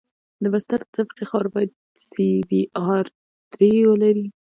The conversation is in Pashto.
د بستر د طبقې خاوره باید سی بي ار درې ولري